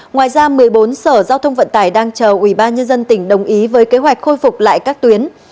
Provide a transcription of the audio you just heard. ngoài ra một mươi bốn sở giao thông vận tải đang chờ ubnd tỉnh đồng ý với kế hoạch khôi phục lại các tuyến